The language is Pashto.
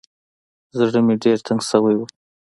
زړه مې ډېر تنګ سوى و.